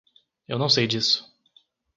Eu não sei disso.